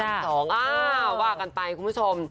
ว่ากันไปคุณผู้ชม